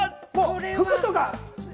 服とか！